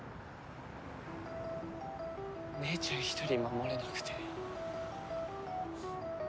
姉ちゃん一人守れなくて。